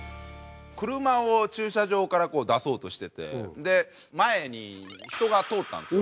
車を駐車場から出そうとしててで前に人が通ったんですよ。